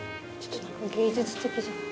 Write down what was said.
芸術的じゃない？